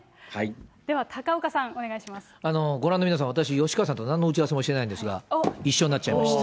では、高岡さん、お願いしまごらんの皆さん、私、吉川さんとなんの打ち合わせもしてないんですが、一緒になっちゃいました。